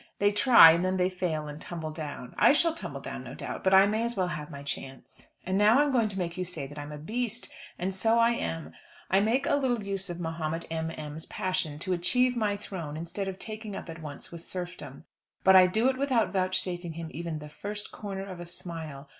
They try, and then they fail, and tumble down. I shall tumble down, no doubt; but I may as well have my chance. And now I'm going to make you say that I'm a beast. And so I am. I make a little use of Mahomet M. M.'s passion to achieve my throne instead of taking up at once with serfdom. But I do it without vouchsafing him even the first corner of a smile.